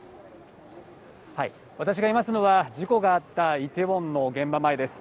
私がいますのは、事故があったイテウォンの現場前です。